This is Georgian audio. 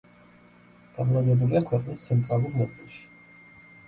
განლაგებულია ქვეყნის ცენტრალურ ნაწილში.